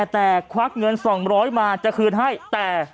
แต่ควักเงิน๒๐๐มาจะคืนให้แต่